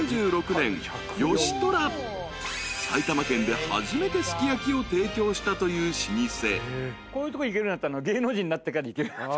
［埼玉県で初めてすき焼きを提供したという老舗］